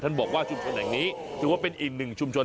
บอกว่าชุมชนแห่งนี้ถือว่าเป็นอีกหนึ่งชุมชน